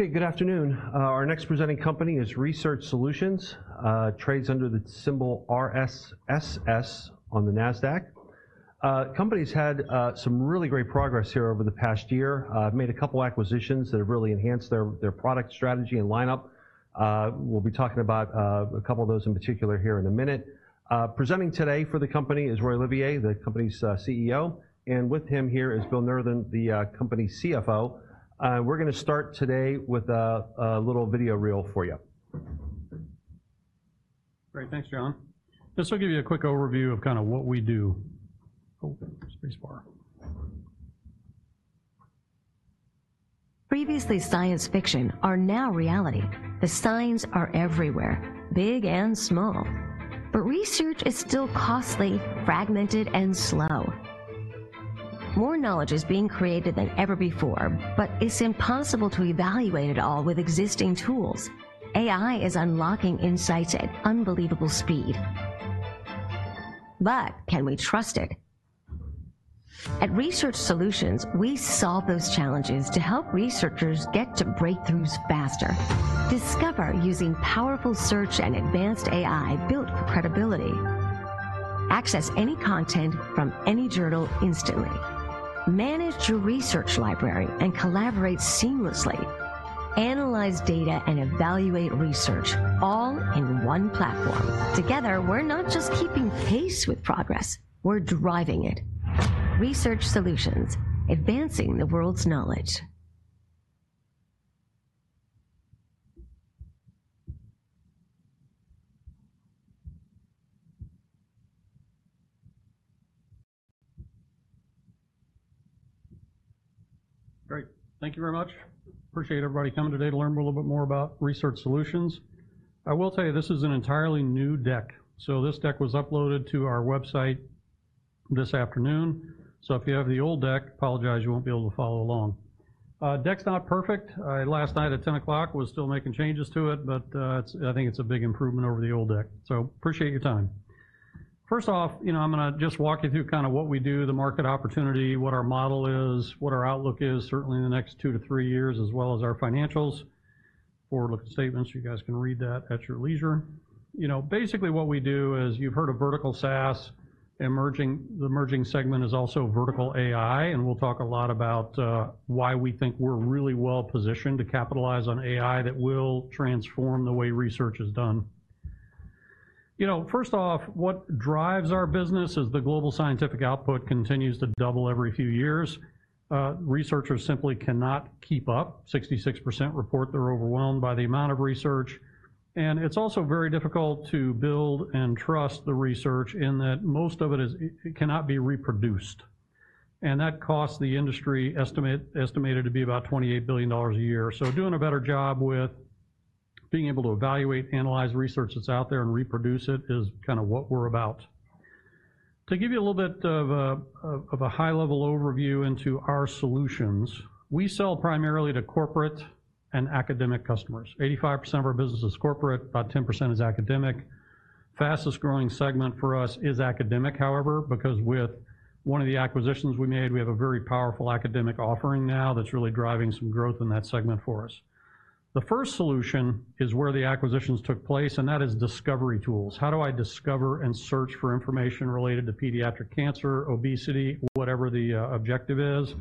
Hey, good afternoon. Our next presenting company is Research Solutions, trades under the symbol RSSS on the Nasdaq. Company's had some really great progress here over the past year. Made a couple acquisitions that have really enhanced their product strategy and lineup. We'll be talking about a couple of those in particular here in a minute. Presenting today for the company is Roy Olivier, the company's CEO, and with him here is Bill Nurthen, the company CFO. We're gonna start today with a little video reel for you. Great. Thanks, John. This will give you a quick overview of kinda what we do. Oh, space bar. Previously science fiction are now reality. The signs are everywhere, big and small, but research is still costly, fragmented, and slow. More knowledge is being created than ever before, but it's impossible to evaluate it all with existing tools. AI is unlocking insights at unbelievable speed. But can we trust it? At Research Solutions, we solve those challenges to help researchers get to breakthroughs faster. Discover using powerful search and advanced AI built for credibility. Access any content from any journal instantly. Manage your research library and collaborate seamlessly. Analyze data and evaluate research all in one platform. Together, we're not just keeping pace with progress, we're driving it. Research Solutions, advancing the world's knowledge. Great. Thank you very much. Appreciate everybody coming today to learn a little bit more about Research Solutions. I will tell you, this is an entirely new deck, so this deck was uploaded to our website this afternoon, so if you have the old deck, apologize, you won't be able to follow along. Deck's not perfect. I last night at 10:00 P.M. was still making changes to it, but I think it's a big improvement over the old deck, so appreciate your time. First off, you know, I'm gonna just walk you through kinda what we do, the market opportunity, what our model is, what our outlook is, certainly in the next two to three years, as well as our financials. Forward-looking statements, you guys can read that at your leisure. You know, basically, what we do is, you've heard of vertical SaaS. The emerging segment is also vertical AI, and we'll talk a lot about why we think we're really well positioned to capitalize on AI that will transform the way research is done. You know, first off, what drives our business is the global scientific output continues to double every few years. Researchers simply cannot keep up. 66% report they're overwhelmed by the amount of research, and it's also very difficult to build and trust the research in that most of it is, it cannot be reproduced, and that costs the industry, estimated to be about $28 billion a year. So doing a better job with being able to evaluate, analyze research that's out there and reproduce it is kinda what we're about. To give you a little bit of a high-level overview into our solutions, we sell primarily to corporate and academic customers. 85% of our business is corporate, about 10% is academic. Fastest growing segment for us is academic, however, because with one of the acquisitions we made, we have a very powerful academic offering now that's really driving some growth in that segment for us. The first solution is where the acquisitions took place, and that is discovery tools. How do I discover and search for information related to pediatric cancer, obesity, whatever the objective is?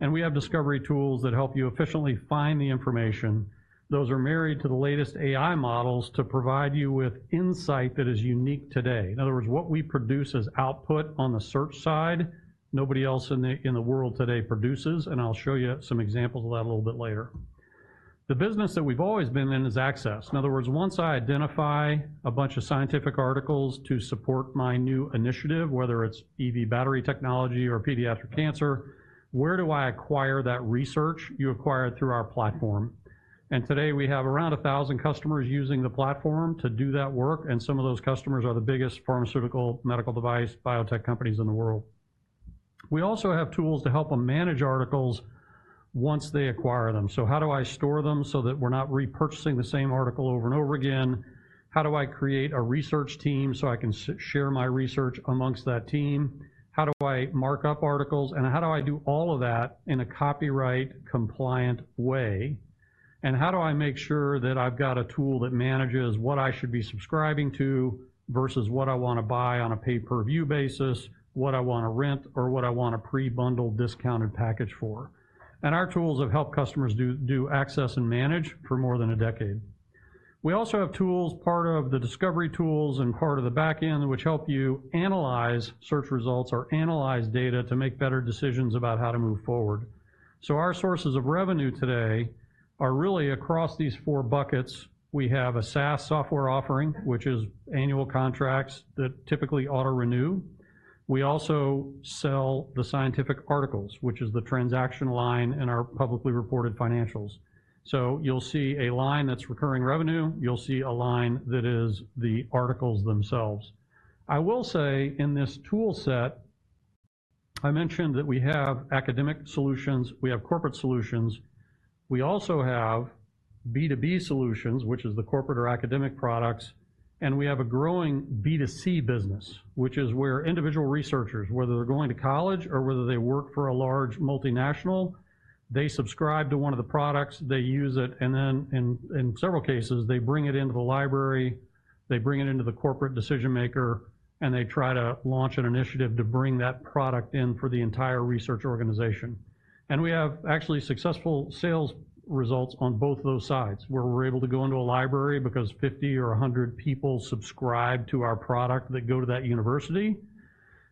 And we have discovery tools that help you efficiently find the information. Those are married to the latest AI models to provide you with insight that is unique today. In other words, what we produce as output on the search side, nobody else in the world today produces, and I'll show you some examples of that a little bit later. The business that we've always been in is access. In other words, once I identify a bunch of scientific articles to support my new initiative, whether it's EV battery technology or pediatric cancer, where do I acquire that research? You acquire it through our platform, and today we have around a thousand customers using the platform to do that work, and some of those customers are the biggest pharmaceutical, medical device, biotech companies in the world. We also have tools to help them manage articles once they acquire them. So how do I store them so that we're not repurchasing the same article over and over again? How do I create a research team, so I can share my research amongst that team? How do I mark up articles, and how do I do all of that in a copyright-compliant way? And how do I make sure that I've got a tool that manages what I should be subscribing to versus what I want to buy on a pay-per-view basis, what I want to rent, or what I want a pre-bundled, discounted package for? And our tools have helped customers do access and manage for more than a decade. We also have tools, part of the discovery tools and part of the back end, which help you analyze search results or analyze data to make better decisions about how to move forward. So our sources of revenue today are really across these four buckets. We have a SaaS software offering, which is annual contracts that typically auto-renew. We also sell the scientific articles, which is the transaction line in our publicly reported financials. So you'll see a line that's recurring revenue. You'll see a line that is the articles themselves. I will say, in this tool set, I mentioned that we have academic solutions, we have corporate solutions. We also have B2B solutions, which is the corporate or academic products, and we have a growing B2C business, which is where individual researchers, whether they're going to college or whether they work for a large multinational, they subscribe to one of the products, they use it, and then in several cases, they bring it into the library, they bring it into the corporate decision maker, and they try to launch an initiative to bring that product in for the entire research organization. We have actually successful sales results on both those sides, where we're able to go into a library because fifty or a hundred people subscribe to our product that go to that university.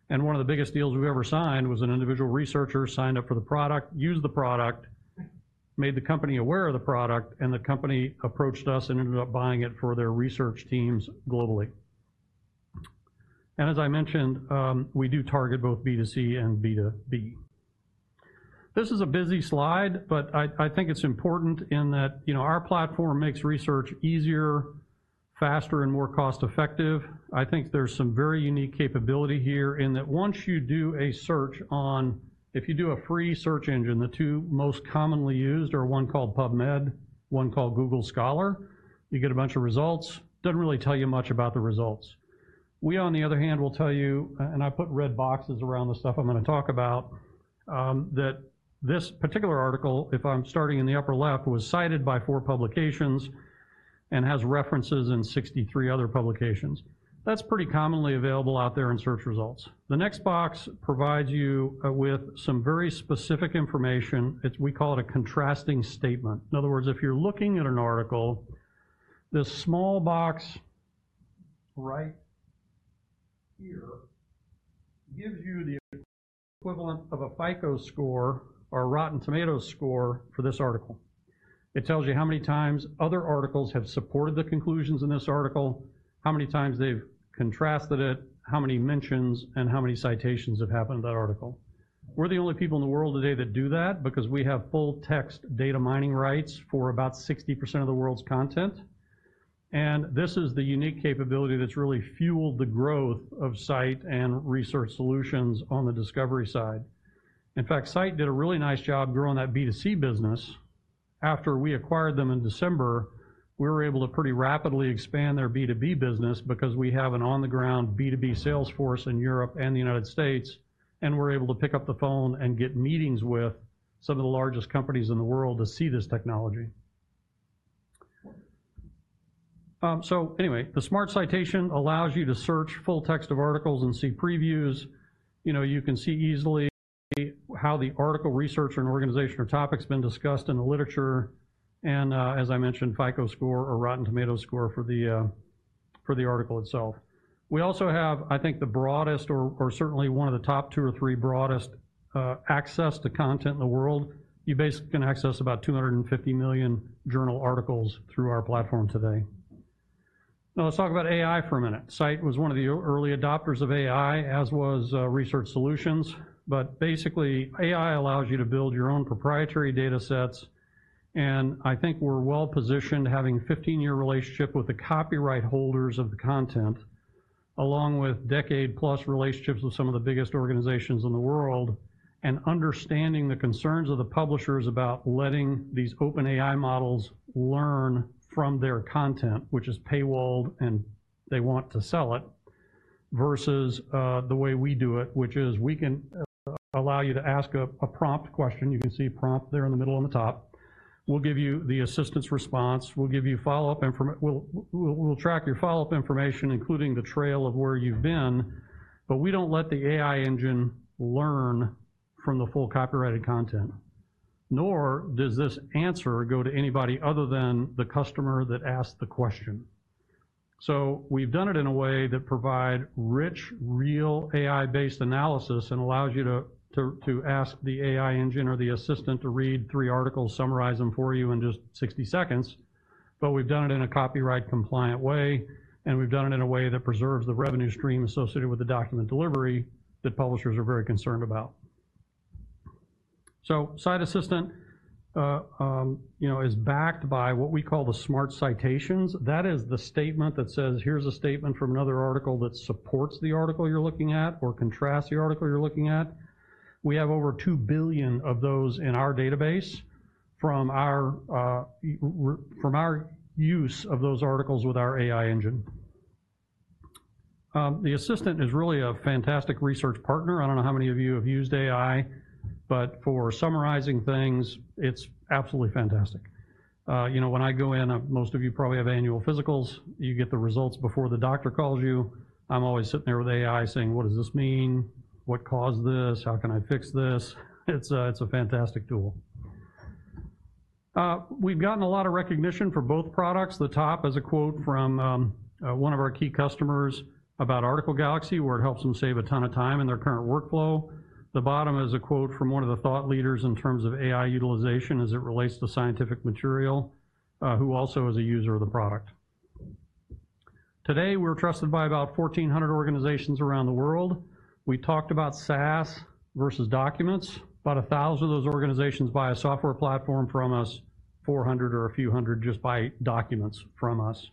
One of the biggest deals we've ever signed was an individual researcher, signed up for the product, used the product, made the company aware of the product, and the company approached us and ended up buying it for their research teams globally. As I mentioned, we do target both B2C and B2B. This is a busy slide, but I think it's important in that, you know, our platform makes research easier, faster, and more cost-effective. I think there's some very unique capability here in that once you do a search. If you use a free search engine, the two most commonly used are one called PubMed, one called Google Scholar. You get a bunch of results, doesn't really tell you much about the results. We, on the other hand, will tell you, and I put red boxes around the stuff I'm gonna talk about, that this particular article, if I'm starting in the upper left, was cited by four publications and has references in sixty-three other publications. That's pretty commonly available out there in search results. The next box provides you with some very specific information. It's. We call it a contrasting statement. In other words, if you're looking at an article, this small box right here gives you the equivalent of a FICO score or a Rotten Tomatoes score for this article. It tells you how many times other articles have supported the conclusions in this article, how many times they've contrasted it, how many mentions, and how many citations have happened in that article. We're the only people in the world today that do that because we have full text data mining rights for about 60% of the world's content, and this is the unique capability that's really fueled the growth of Scite and Research Solutions on the discovery side. In fact, Scite did a really nice job growing that B2C business. After we acquired them in December, we were able to pretty rapidly expand their B2B business because we have an on-the-ground B2B sales force in Europe and the United States, and we're able to pick up the phone and get meetings with some of the largest companies in the world to see this technology. So anyway, the Smart Citation allows you to search full text of articles and see previews. You know, you can see easily how the article, researcher, and organization or topic's been discussed in the literature, and as I mentioned, FICO score or Rotten Tomatoes score for the article itself. We also have, I think, the broadest or certainly one of the top two or three broadest access to content in the world. You basically can access about 250 million journal articles through our platform today. Now, let's talk about AI for a minute. Scite was one of the early adopters of AI, as was Research Solutions. But basically, AI allows you to build your own proprietary data sets, and I think we're well-positioned, having a fifteen-year relationship with the copyright holders of the content, along with decade-plus relationships with some of the biggest organizations in the world, and understanding the concerns of the publishers about letting these open AI models learn from their content, which is paywalled, and they want to sell it, versus the way we do it, which is we can allow you to ask a prompt question. You can see prompt there in the middle on the top. We'll give you the assistance response. We'll track your follow-up information, including the trail of where you've been, but we don't let the AI engine learn from the full copyrighted content, nor does this answer go to anybody other than the customer that asked the question. So we've done it in a way that provide rich, real, AI-based analysis and allows you to ask the AI engine or the assistant to read three articles, summarize them for you in just sixty seconds, but we've done it in a copyright-compliant way, and we've done it in a way that preserves the revenue stream associated with the document delivery that publishers are very concerned about. Scite Assistant, you know, is backed by what we call the Smart Citations. That is the statement that says, "Here's a statement from another article that supports the article you're looking at or contrasts the article you're looking at." We have over two billion of those in our database from our use of those articles with our AI engine. The assistant is really a fantastic research partner. I don't know how many of you have used AI, but for summarizing things, it's absolutely fantastic. You know, when I go in, most of you probably have annual physicals, you get the results before the doctor calls you. I'm always sitting there with AI, saying, "What does this mean? What caused this? How can I fix this?" It's a fantastic tool. We've gotten a lot of recognition for both products. The top is a quote from one of our key customers about Article Galaxy, where it helps them save a ton of time in their current workflow. The bottom is a quote from one of the thought leaders in terms of AI utilization as it relates to scientific material, who also is a user of the product. Today, we're trusted by about fourteen hundred organizations around the world. We talked about SaaS versus documents. About a thousand of those organizations buy a software platform from us, four hundred or a few hundred just buy documents from us.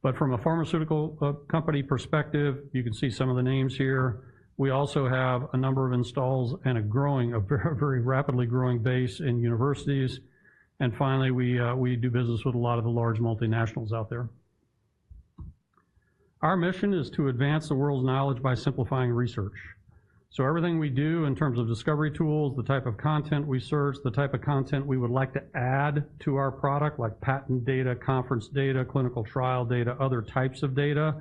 But from a pharmaceutical company perspective, you can see some of the names here. We also have a number of installs and a growing, a very, very rapidly growing base in universities. And finally, we do business with a lot of the large multinationals out there. Our mission is to advance the world's knowledge by simplifying research. So everything we do in terms of discovery tools, the type of content we serve, the type of content we would like to add to our product, like patent data, conference data, clinical trial data, other types of data,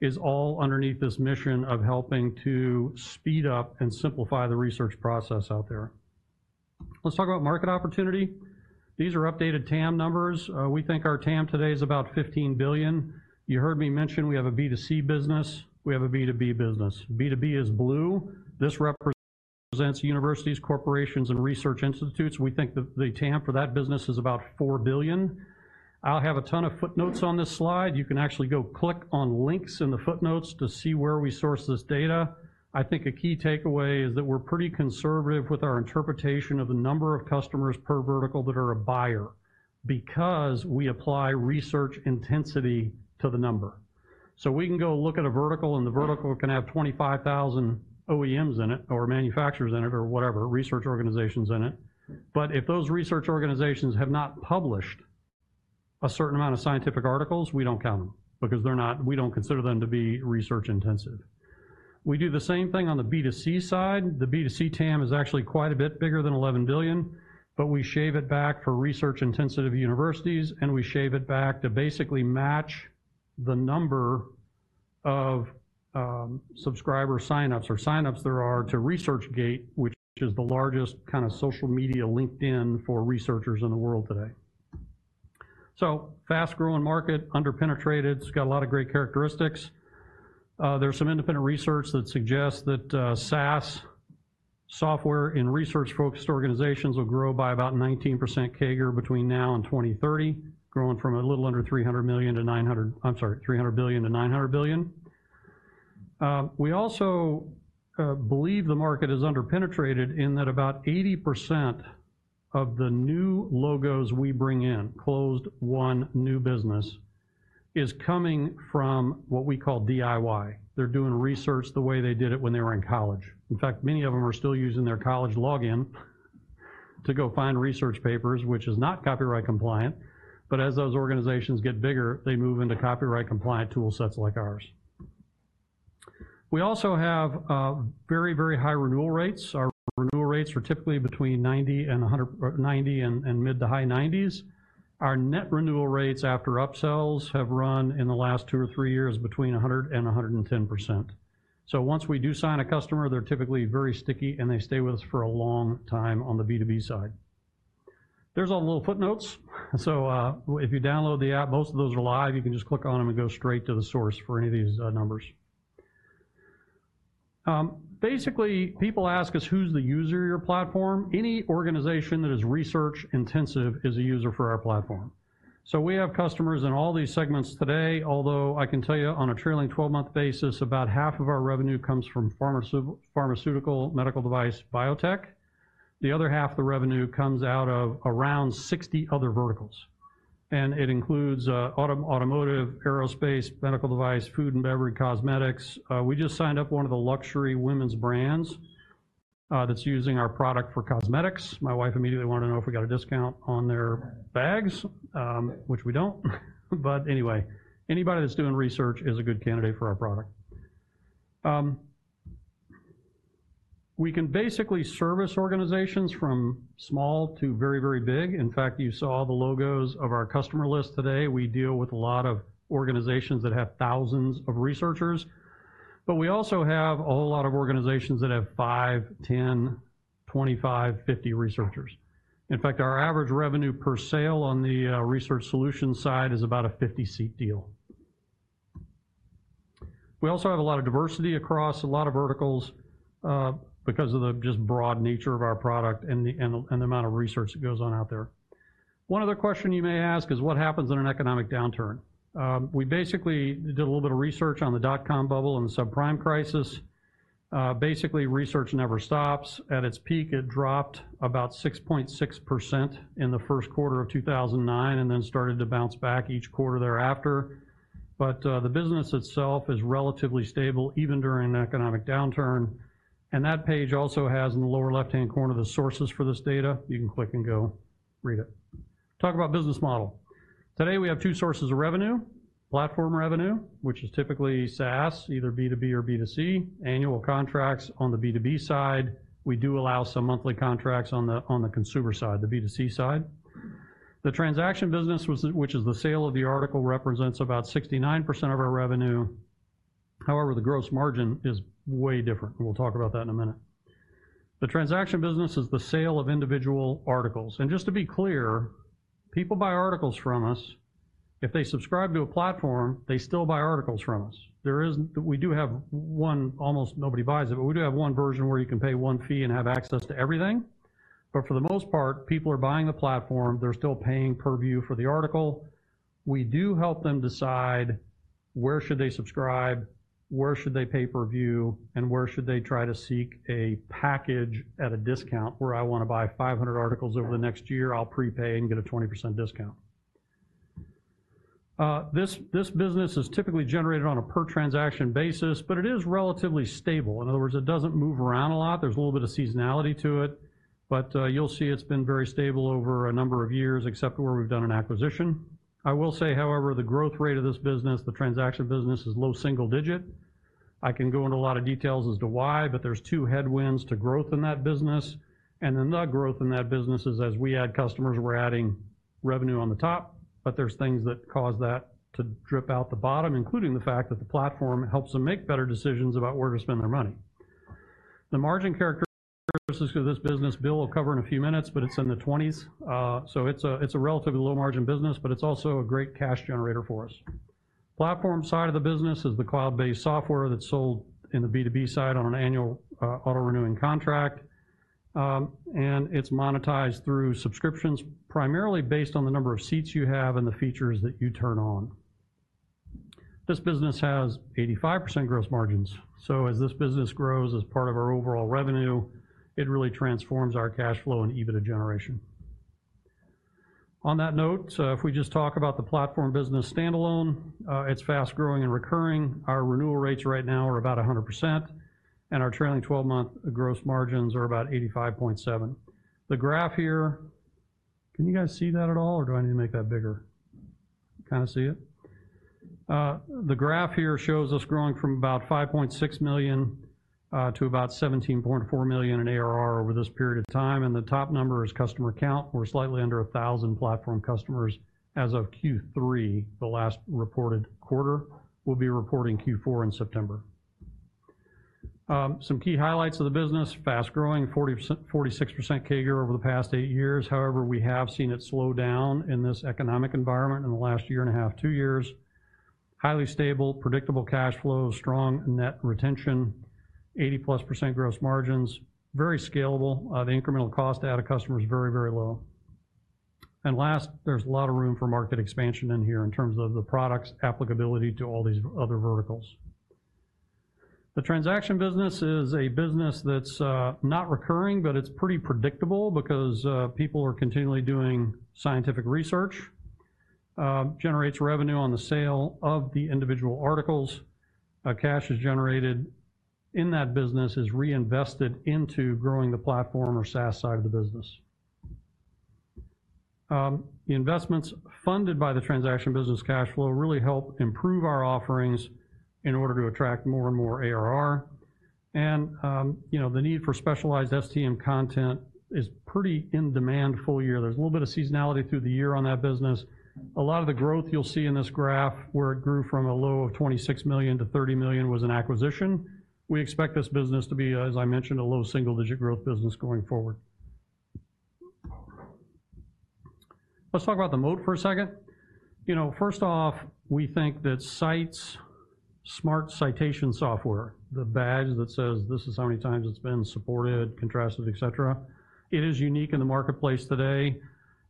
is all underneath this mission of helping to speed up and simplify the research process out there. Let's talk about market opportunity. These are updated TAM numbers. We think our TAM today is about $15 billion. You heard me mention we have a B2C business, we have a B2B business. B2B is blue. This represents universities, corporations, and research institutes. We think that the TAM for that business is about $4 billion. I'll have a ton of footnotes on this slide. You can actually go click on links in the footnotes to see where we source this data. I think a key takeaway is that we're pretty conservative with our interpretation of the number of customers per vertical that are a buyer, because we apply research intensity to the number. So we can go look at a vertical, and the vertical can have 25,000 OEMs in it, or manufacturers in it, or whatever, research organizations in it, but if those research organizations have not published a certain amount of scientific articles, we don't count them because they're not. We don't consider them to be research intensive. We do the same thing on the B2C side. The B2C TAM is actually quite a bit bigger than $11 billion, but we shave it back for research-intensive universities, and we shave it back to basically match the number of subscriber sign-ups or sign-ups there are to ResearchGate, which is the largest kind of social media LinkedIn for researchers in the world today. So fast-growing market, under-penetrated. It's got a lot of great characteristics. There's some independent research that suggests that, SaaS software in research-focused organizations will grow by about 19% CAGR between now and 2030, growing from a little under $300 million to $900... I'm sorry, $300 billion to $900 billion. We also believe the market is under-penetrated in that about 80% of the new logos we bring in, closed one new business, is coming from what we call DIY. They're doing research the way they did it when they were in college. In fact, many of them are still using their college login to go find research papers, which is not copyright compliant. But as those organizations get bigger, they move into copyright compliant tool sets like ours. We also have, very, very high renewal rates. Our renewal rates are typically between 90% and 100%, mid- to high 90s. Our net renewal rates after upsells have run in the last two or three years between 100% and 110%. So once we do sign a customer, they're typically very sticky, and they stay with us for a long time on the B2B side. There's a little footnotes, so if you download the app, most of those are live. You can just click on them and go straight to the source for any of these numbers. Basically, people ask us, "Who's the user of your platform?" Any organization that is research intensive is a user for our platform. We have customers in all these segments today, although I can tell you on a trailing twelve-month basis, about half of our revenue comes from pharmaceutical, medical device, biotech. The other half of the revenue comes out of around 60 other verticals, and it includes automotive, aerospace, medical device, food and beverage, cosmetics. We just signed up one of the luxury women's brands that's using our product for cosmetics. My wife immediately wanted to know if we got a discount on their bags, which we don't. But anyway, anybody that's doing research is a good candidate for our product. We can basically service organizations from small to very, very big. In fact, you saw the logos of our customer list today. We deal with a lot of organizations that have thousands of researchers, but we also have a whole lot of organizations that have five, ten, twenty-five, fifty researchers. In fact, our average revenue per sale on the research solution side is about a fifty-seat deal. We also have a lot of diversity across a lot of verticals because of the just broad nature of our product and the amount of research that goes on out there. One other question you may ask is, what happens in an economic downturn? We basically did a little bit of research on the dot-com bubble and the subprime crisis. Basically, research never stops. At its peak, it dropped about 6.6% in the first quarter of 2009, and then started to bounce back each quarter thereafter. But, the business itself is relatively stable, even during an economic downturn. And that page also has, in the lower left-hand corner, the sources for this data. You can click and go read it. Talk about business model. Today, we have two sources of revenue. Platform revenue, which is typically SaaS, either B2B or B2C, annual contracts on the B2B side. We do allow some monthly contracts on the consumer side, the B2C side. The transaction business, which is the sale of the article, represents about 69% of our revenue. However, the gross margin is way different, and we'll talk about that in a minute. The transaction business is the sale of individual articles. And just to be clear, people buy articles from us. If they subscribe to a platform, they still buy articles from us. There is-- we do have one... Almost nobody buys it, but we do have one version where you can pay one fee and have access to everything. But for the most part, people are buying the platform, they're still paying per view for the article. We do help them decide where should they subscribe, where should they pay per view, and where should they try to seek a package at a discount, where I want to buy 500 articles over the next year, I'll prepay and get a 20% discount. This business is typically generated on a per transaction basis, but it is relatively stable. In other words, it doesn't move around a lot. There's a little bit of seasonality to it, but you'll see it's been very stable over a number of years, except where we've done an acquisition. I will say, however, the growth rate of this business, the transaction business, is low single digit. I can go into a lot of details as to why, but there's two headwinds to growth in that business, and then the growth in that business is as we add customers, we're adding revenue on the top, but there's things that cause that to drip out the bottom, including the fact that the platform helps them make better decisions about where to spend their money. The margin characteristics of this business, Bill will cover in a few minutes, but it's in the twenties. So it's a, it's a relatively low margin business, but it's also a great cash generator for us. Platform side of the business is the cloud-based software that's sold in the B2B side on an annual, auto-renewing contract. And it's monetized through subscriptions, primarily based on the number of seats you have and the features that you turn on. This business has 85% gross margins, so as this business grows as part of our overall revenue, it really transforms our cash flow and EBITDA generation. On that note, so if we just talk about the platform business standalone, it's fast-growing and recurring. Our renewal rates right now are about 100%, and our trailing twelve-month gross margins are about 85.7%. The graph here... Can you guys see that at all, or do I need to make that bigger? You kinda see it? The graph here shows us growing from about $5.6 million to about $17.4 million in ARR over this period of time, and the top number is customer count. We're slightly under 1,000 platform customers as of Q3, the last reported quarter. We'll be reporting Q4 in September. Some key highlights of the business: fast-growing, 46% CAGR over the past eight years. However, we have seen it slow down in this economic environment in the last year and a half, two years. Highly stable, predictable cash flow, strong net retention, 80+% gross margins, very scalable. The incremental cost to add a customer is very, very low, and last, there's a lot of room for market expansion in here in terms of the product's applicability to all these other verticals. The transaction business is a business that's not recurring, but it's pretty predictable because people are continually doing scientific research, generates revenue on the sale of the individual articles. Cash is generated in that business is reinvested into growing the platform or SaaS side of the business. The investments funded by the transaction business cash flow really help improve our offerings in order to attract more and more ARR, and, you know, the need for specialized STM content is pretty in demand full year. There's a little bit of seasonality through the year on that business. A lot of the growth you'll see in this graph, where it grew from a low of $26 million to $30 million, was an acquisition. We expect this business to be, as I mentioned, a low single-digit growth business going forward. Let's talk about the moat for a second. You know, first off, we think that Scite's smart citation software, the badge that says, this is how many times it's been supported, contrasted, et cetera, it is unique in the marketplace today,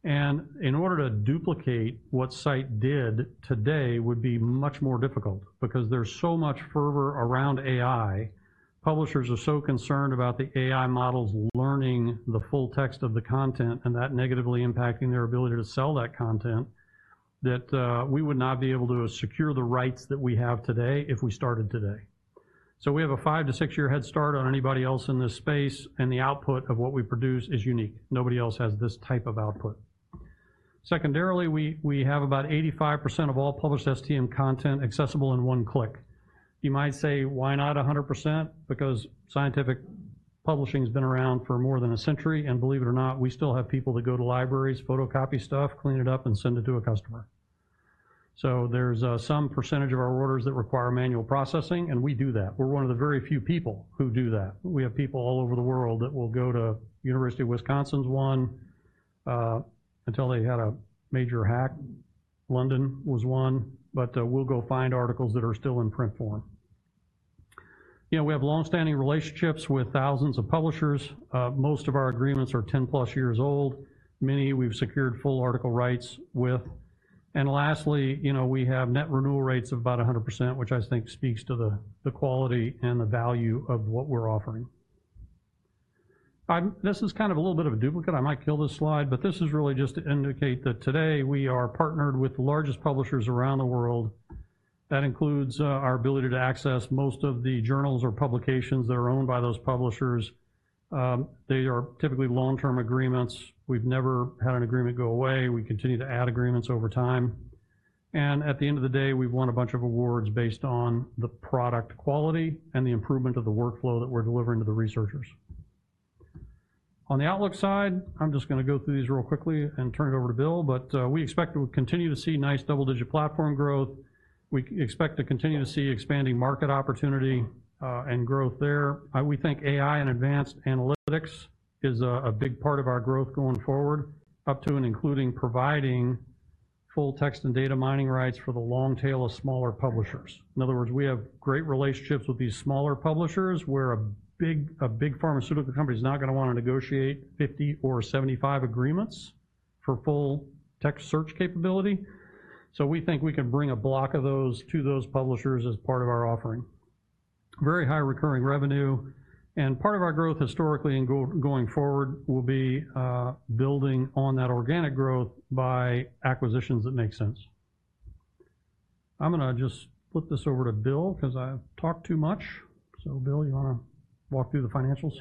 and in order to duplicate what Scite did today, would be much more difficult because there's so much fervor around AI. Publishers are so concerned about the AI models learning the full text of the content and that negatively impacting their ability to sell that content, that we would not be able to secure the rights that we have today if we started today. So we have a five to six-year head start on anybody else in this space, and the output of what we produce is unique. Nobody else has this type of output. Secondarily, we, we have about 85% of all published STM content accessible in one click. You might say, "Why not 100%?" Because scientific publishing has been around for more than a century, and believe it or not, we still have people that go to libraries, photocopy stuff, clean it up, and send it to a customer. So there's some percentage of our orders that require manual processing, and we do that. We're one of the very few people who do that. We have people all over the world that will go to University of Wisconsin's one until they had a major hack. London was one, but we'll go find articles that are still in print form. You know, we have longstanding relationships with thousands of publishers. Most of our agreements are 10-plus years old. Many we've secured full article rights with. And lastly, you know, we have net renewal rates of about 100%, which I think speaks to the quality and the value of what we're offering. This is kind of a little bit of a duplicate. I might kill this slide, but this is really just to indicate that today we are partnered with the largest publishers around the world. That includes our ability to access most of the journals or publications that are owned by those publishers. They are typically long-term agreements. We've never had an agreement go away. We continue to add agreements over time, and at the end of the day, we've won a bunch of awards based on the product quality and the improvement of the workflow that we're delivering to the researchers. On the outlook side, I'm just gonna go through these real quickly and turn it over to Bill, but we expect to continue to see nice double-digit platform growth. We expect to continue to see expanding market opportunity, and growth there. We think AI and advanced analytics is a big part of our growth going forward, up to and including providing full text and data mining rights for the long tail of smaller publishers. In other words, we have great relationships with these smaller publishers, where a big pharmaceutical company is not gonna wanna negotiate fifty or seventy-five agreements for full text search capability. So we think we can bring a block of those to those publishers as part of our offering. Very high recurring revenue, and part of our growth historically and going forward will be building on that organic growth by acquisitions that make sense. I'm gonna just flip this over to Bill, 'cause I've talked too much. So Bill, you wanna walk through the financials?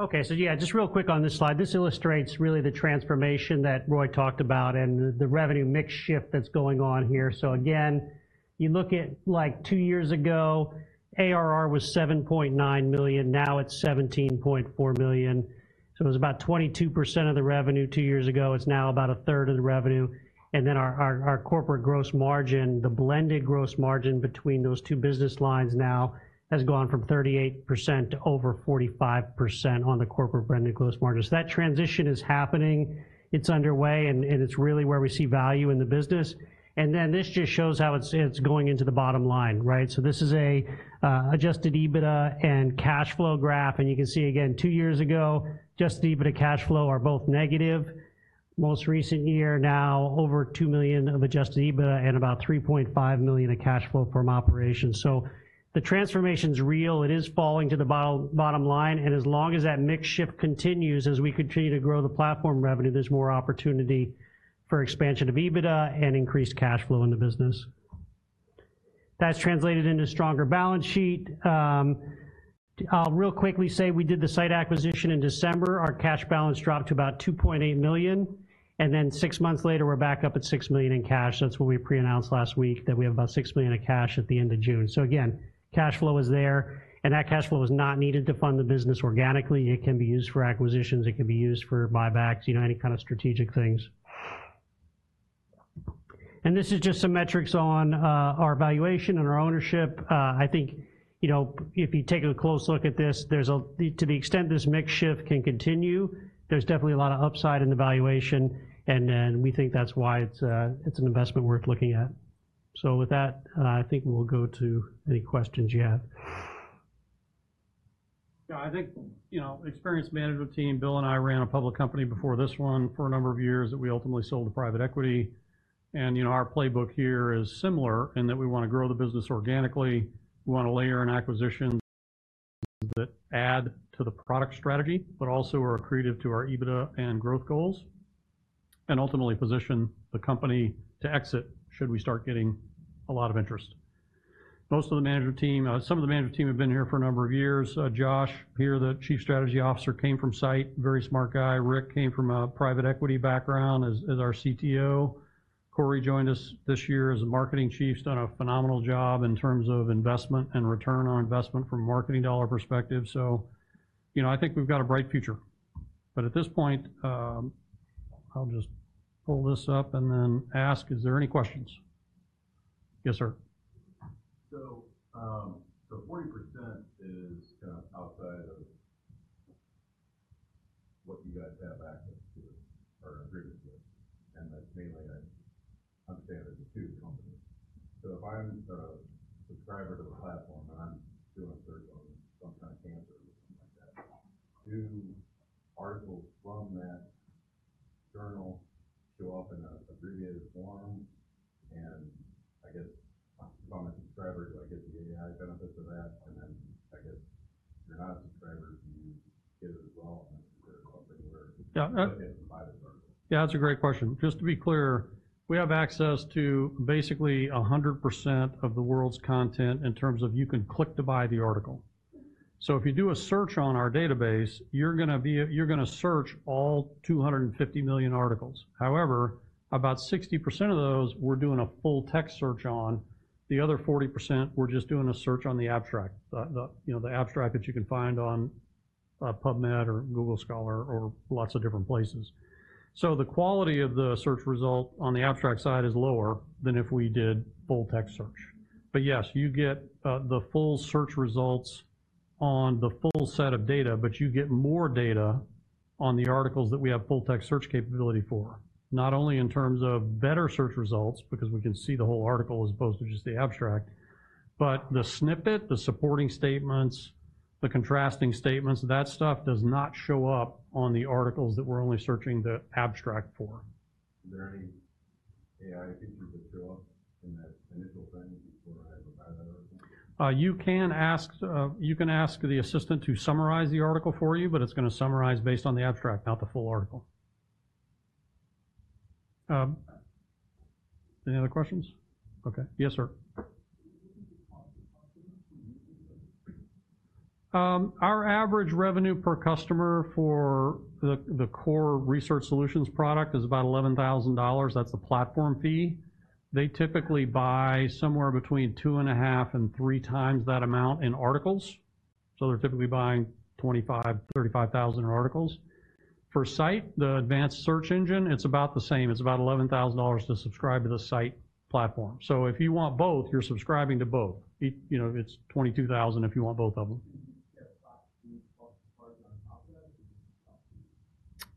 Okay, so yeah, just real quick on this slide. This illustrates really the transformation that Roy talked about and the revenue mix shift that's going on here. So again, you look at, like, two years ago, ARR was $7.9 million, now it's $17.4 million. So it was about 22% of the revenue two years ago, it's now about a third of the revenue. And then our corporate gross margin, the blended gross margin between those two business lines now has gone from 38% to over 45% on the corporate blended gross margin. So that transition is happening, it's underway, and it's really where we see value in the business. And then this just shows how it's going into the bottom line, right? This is a adjusted EBITDA and cash flow graph, and you can see again, two years ago, adjusted EBITDA and cash flow are both negative. Most recent year now, over $2 million of adjusted EBITDA and about $3.5 million of cash flow from operations. The transformation's real, it is falling to the bottom line, and as long as that mix shift continues, as we continue to grow the platform revenue, there's more opportunity for expansion of EBITDA and increased cash flow in the business. That's translated into stronger balance sheet. I'll really quickly say we did the Scite acquisition in December. Our cash balance dropped to about $2.8 million, and then six months later, we're back up at $6 million in cash. That's what we pre-announced last week, that we have about $6 million of cash at the end of June. So again, cash flow is there, and that cash flow is not needed to fund the business organically. It can be used for acquisitions, it can be used for buybacks, you know, any kind of strategic things. And this is just some metrics on our valuation and our ownership. I think, you know, if you take a close look at this, there's, to the extent this mix shift can continue, there's definitely a lot of upside in the valuation, and then we think that's why it's a, it's an investment worth looking at. So with that, I think we'll go to any questions you have. Yeah, I think, you know, experienced management team. Bill and I ran a public company before this one for a number of years, that we ultimately sold to private equity. And, you know, our playbook here is similar in that we wanna grow the business organically, we wanna layer in acquisitions that add to the product strategy, but also are accretive to our EBITDA and growth goals, and ultimately position the company to exit, should we start getting a lot of interest. Most of the management team, some of the management team have been here for a number of years. Josh, the Chief Strategy Officer, came from Scite, very smart guy. Rick came from a private equity background, as our CTO. Corey joined us this year as a marketing chief. He's done a phenomenal job in terms of investment and return on investment from a marketing dollar perspective. So, you know, I think we've got a bright future. But at this point, I'll just pull this up and then ask: Is there any questions? Yes, sir. So, the 40% is outside of what you guys have access to or agreement with, and that's mainly, I understand, there's two companies. So if I'm a subscriber to the platform, and I'm doing search on some kind of cancer or something like that, do articles from that journal show up in an abbreviated form? And I guess, if I'm a subscriber, do I get the AI benefit of that, and then I guess if you're not a subscriber, do you get it as well? Yeah. Or provide it for them. Yeah, that's a great question. Just to be clear, we have access to basically 100% of the world's content in terms of you can click to buy the article. So if you do a search on our database, you're gonna search all 250 million articles. However, about 60% of those, we're doing a full text search on, the other 40%, we're just doing a search on the abstract. You know, the abstract that you can find on PubMed or Google Scholar, or lots of different places. So the quality of the search result on the abstract side is lower than if we did full text search. But yes, you get the full search results on the full set of data, but you get more data on the articles that we have full text search capability for. Not only in terms of better search results, because we can see the whole article as opposed to just the abstract, but the snippet, the supporting statements, the contrasting statements, that stuff does not show up on the articles that we're only searching the abstract for. Is there any AI features that show up in that initial thing before I buy that article? You can ask the assistant to summarize the article for you, but it's gonna summarize based on the abstract, not the full article. Any other questions? Okay. Yes, sir. Our average revenue per customer for the core Research Solutions product is about $11,000. That's the platform fee. They typically buy somewhere between two and a half and three times that amount in articles, so they're typically buying 25-35 thousand articles. For Scite, the advanced search engine, it's about the same. It's about $11,000 to subscribe to the Scite platform. So if you want both, you're subscribing to both. You know, it's $22,000 if you want both of them.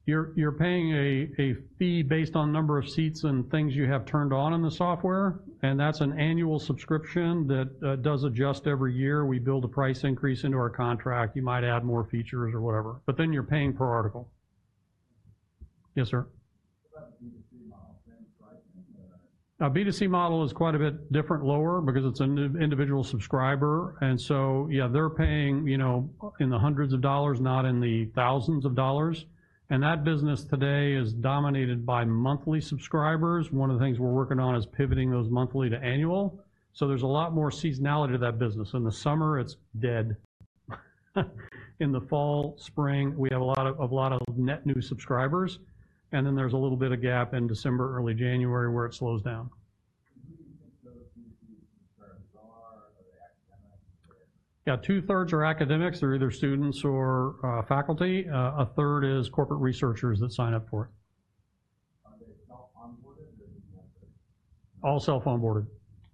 You're paying a fee based on number of seats and things you have turned on in the software, and that's an annual subscription that does adjust every year. We build a price increase into our contract. You might add more features or whatever, but then you're paying per article. Yes, sir. What about the industry model then?... Our B2C model is quite a bit different, lower, because it's an individual subscriber, and so, yeah, they're paying, you know, in the hundreds of dollars, not in the thousands of dollars. And that business today is dominated by monthly subscribers. One of the things we're working on is pivoting those monthly to annual. So there's a lot more seasonality to that business. In the summer, it's dead. In the fall, spring, we have a lot of, a lot of net new subscribers, and then there's a little bit of gap in December, early January, where it slows down. Who do you think those users are, are they academics? Yeah, two-thirds are academics. They're either students or faculty. A third is corporate researchers that sign up for it. Are they self-onboarded or...? All self-onboarded.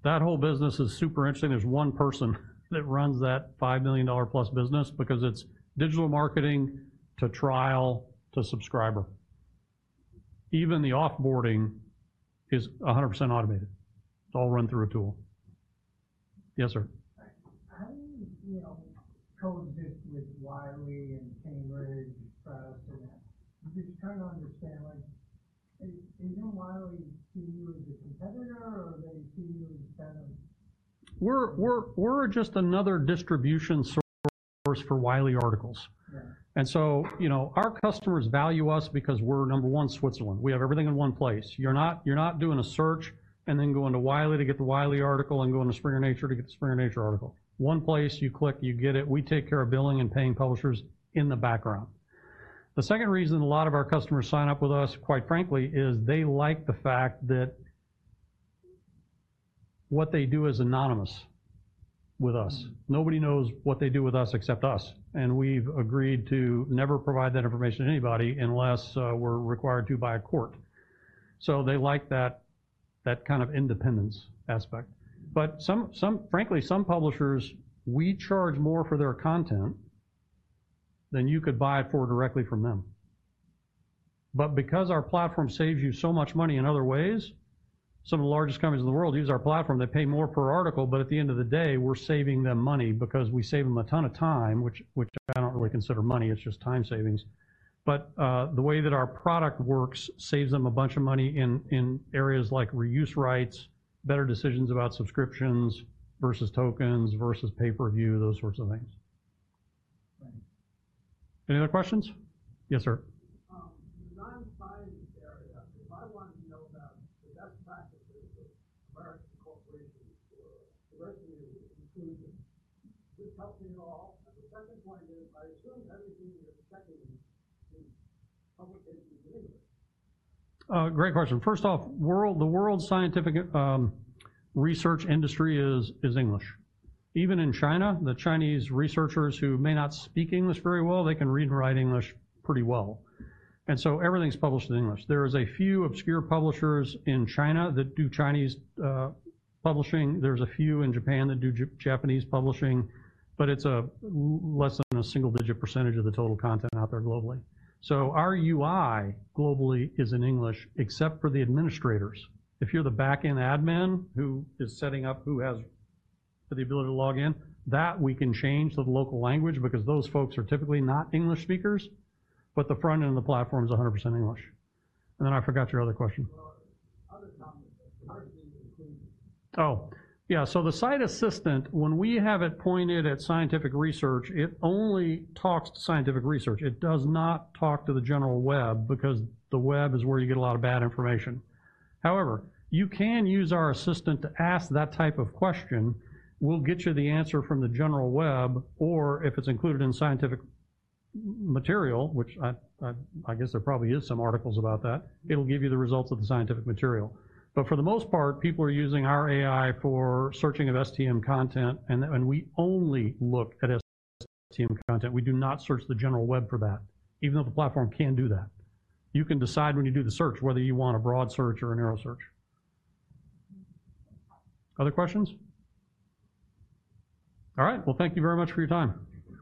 That whole business is super interesting. There's one person that runs that $5 million plus business because it's digital marketing to trial to subscriber. Even the off-boarding is 100% automated. It's all run through a tool. Yes, sir? How do you, you know, coexist with Wiley and Cambridge Press and that? I'm just trying to understand, like, is Wiley see you as a competitor or they see you as kind of- We're just another distribution source for Wiley articles. Right. You know, our customers value us because we're number one, Switzerland. We have everything in one place. You're not, you're not doing a search and then going to Wiley to get the Wiley article and going to Springer Nature to get the Springer Nature article. One place, you click, you get it. We take care of billing and paying publishers in the background. The second reason a lot of our customers sign up with us, quite frankly, is they like the fact that what they do is anonymous with us. Nobody knows what they do with us except us, and we've agreed to never provide that information to anybody unless we're required to by a court. So they like that, that kind of independence aspect. But frankly, some publishers, we charge more for their content than you could buy it for directly from them. But because our platform saves you so much money in other ways, some of the largest companies in the world use our platform. They pay more per article, but at the end of the day, we're saving them money because we save them a ton of time, which I don't really consider money, it's just time savings. But the way that our product works saves them a bunch of money in areas like reuse rights, better decisions about subscriptions versus tokens versus pay-per-view, those sorts of things. Right. Any other questions? Yes, sir. Design science area, if I wanted to know about the best practices of American corporations or directly included, would this help me at all? And the second point is, I assume everything is in publications in English. Great question. First off, the world's scientific research industry is English. Even in China, the Chinese researchers who may not speak English very well, they can read and write English pretty well, and so everything's published in English. There is a few obscure publishers in China that do Chinese publishing. There's a few in Japan that do Japanese publishing, but it's less than a single-digit % of the total content out there globally. So our UI globally is in English, except for the administrators. If you're the back-end admin who is setting up, who has the ability to log in, that we can change to the local language because those folks are typically not English speakers, but the front end of the platform is 100% English. And then I forgot your other question. Other companies, including- Oh, yeah. So the Scite Assistant, when we have it pointed at scientific research, it only talks to scientific research. It does not talk to the general web, because the web is where you get a lot of bad information. However, you can use our assistant to ask that type of question. We'll get you the answer from the general web, or if it's included in scientific material, which I guess there probably is some articles about that, it'll give you the results of the scientific material. But for the most part, people are using our AI for searching of STM content, and we only look at STM content. We do not search the general web for that, even though the platform can do that. You can decide when you do the search, whether you want a broad search or a narrow search. Other questions? All right, well, thank you very much for your time.